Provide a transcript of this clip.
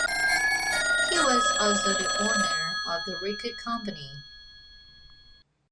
He was also the owner of a record company.